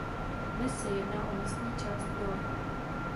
Dnes se jedná o místní část Doly.